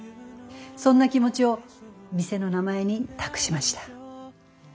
そんな気持ちを店の名前に託しました。